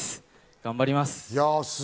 頑張ります。